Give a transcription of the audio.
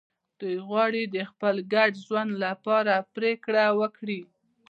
دوی غواړي د خپل ګډ ژوند لپاره پرېکړه وکړي.